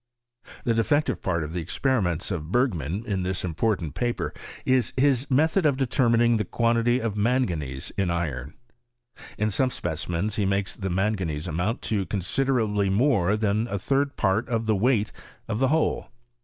The defective part of the experiments of Bergman in this important paper is his method of determining the quantity of manganese in iron. In some speci mens he makes the manganese amount to consider ably more than a third part of the weight of the whole.